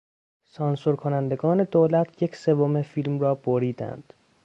سانسور کنندگان دولت یک سوم فیلم را بریدند.